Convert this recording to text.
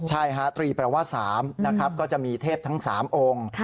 ใช่ตรีแปลว่า๓ก็จะมีเทพทั้ง๓องค์